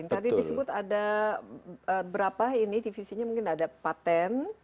tadi disebut ada berapa ini divisinya mungkin ada patent